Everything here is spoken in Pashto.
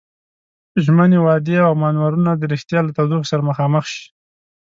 ژمنې، وعدې او مانورونه د ريښتيا له تودوخې سره مخامخ شي.